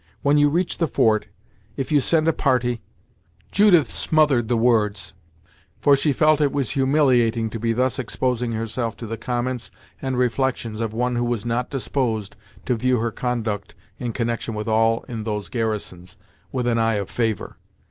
When you reach the fort, if you send a party " Judith smothered the words, for she felt that it was humiliating to be thus exposing herself to the comments and reflections of one who was not disposed to view her conduct in connection with all in those garrisons, with an eye of favor.